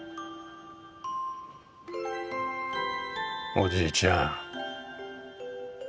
おじいちゃん。